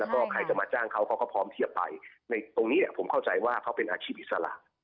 แล้วก็ใครจะมาจ้างเขาเขาก็พร้อมเทียบไปในตรงนี้ผมเข้าใจว่าเขาเป็นอาชีพอิสระ